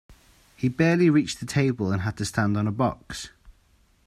He barely reached the table and had to stand on a box.